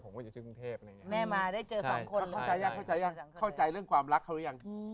ผมก็อยู่ที่กรุงเทพแม่มาได้เจอสองคนเข้าใจเรื่องความรักเขาหรือยัง